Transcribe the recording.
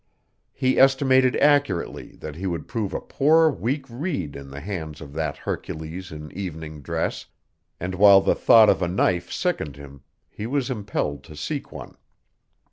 He estimated accurately that he would prove a poor weak reed in the hands of that Hercules in evening dress, and while the thought of a knife sickened him, he was impelled to seek one.